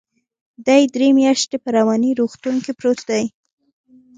دى درې مياشتې په رواني روغتون کې پروت و.